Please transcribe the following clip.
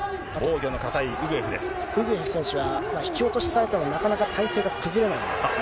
ウグエフ選手は、引き落としされてもなかなか体勢が崩れないんですね。